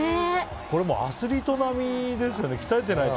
アスリート並ですよね。